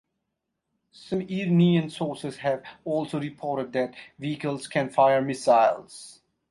Some Iranian sources have also reported that the vehicles can fire "missiles".